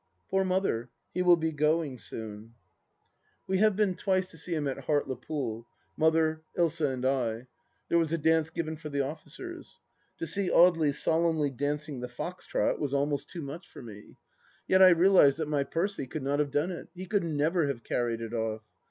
Poor Mother I He will be going soon. .., 270 THE LAST DITUH We have been twice to see him at Hart le Pool — Mother, Ilsa, and I. There was a dance given for the officers. To see Audely solemnly dancing the fox trot was almost too much for me ! Yet I realized that my Percy could not have done it ; he could never have carried it off.